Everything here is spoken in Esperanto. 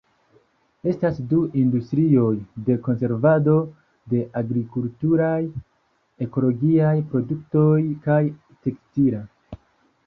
Estas du industrioj: de konservado de agrikulturaj ekologiaj produktoj kaj tekstila.